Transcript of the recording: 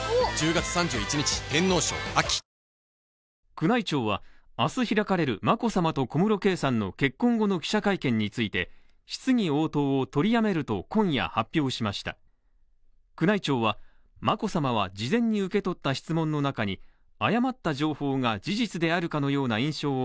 宮内庁は明日開かれる眞子さまと小室圭さんの結婚後の記者会見について質疑応答を取りやめると今夜発表しました宮内庁は、眞子さまは事前に受け取った質問の中に誤った情報が事実であるかのような印象を